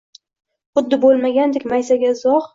Xuddi bo’lmagandek maysaga izoh